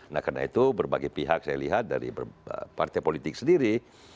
nah karena itu berbagai pihak saya lihat dari partai politik sendiri